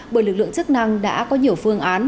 bởi lực lượng chức năng đã có nhiều phương án